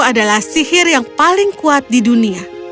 adalah sihir yang paling kuat di dunia